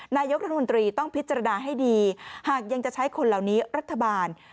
นายกรัฐมนตรีต้องพิจารณาให้ดีหากยังจะใช้คนเหล่านี้รัฐบาล